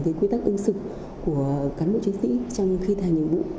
với quy tắc ưng sực của cán bộ chiến sĩ trong khi thành nhiệm vụ